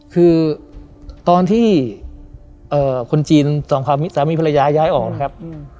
คือตอนที่คนจีนสองสามีภรรยาย้ายออกนะครับ